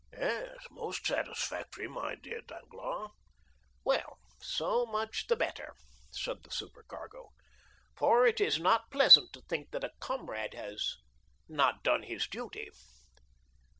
"Yes, most satisfactory, my dear Danglars." "Well, so much the better," said the supercargo; "for it is not pleasant to think that a comrade has not done his duty."